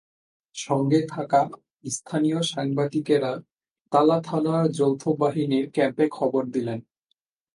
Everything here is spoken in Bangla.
সঙ্গে থাকা স্থানীয় সাংবাদিকেরা তালা থানার যৌথ বাহিনীর ক্যাম্পে খবর দিলেন।